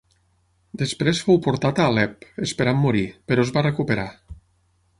Després fou portat a Alep, esperant morir, però es va recuperar.